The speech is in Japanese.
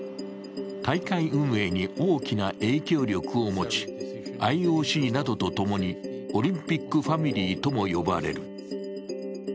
大会運営に大きな影響力を持ちＩＯＣなどと共にオリンピックファミリーとも呼ばれる。